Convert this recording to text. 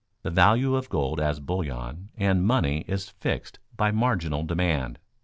The value of gold as bullion and money is fixed by marginal demand.